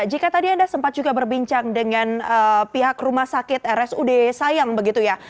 jika tadi anda sempat juga berbincang dengan pihak rumah sakit rsud sayang begitu ya